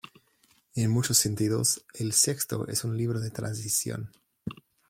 En muchos sentidos, el Sexto es un libro de transición.